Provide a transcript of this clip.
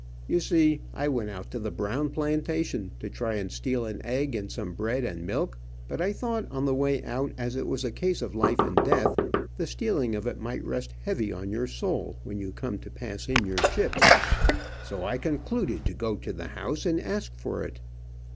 You see, I went out to the Brown plantation, to try and steal an egg, and some bread, and milk, but I thought, on the way out, as it was a case of life and death, the stealing of it might rest heavy on your soul when you come to pass in your chips, so I concluded to go to the house and ask for it.